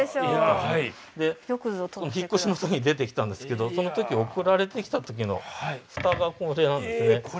お引っ越しの時に出てきたんですけどその時送られてきた時の蓋がこれなんですね。